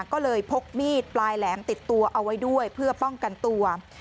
ก็เลยพกมีดปลายแหลมติดตัวเอาไว้ด้วยเพื่อป้องกันตัว